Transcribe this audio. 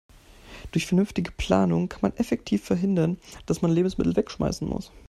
Durch vernünftige Planung kann man effektiv verhindern, dass man Lebensmittel wegschmeißen muss.